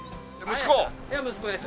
息子です。